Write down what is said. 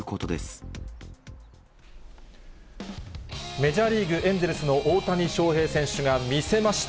メジャーリーグ・エンゼルスの大谷翔平選手が見せました。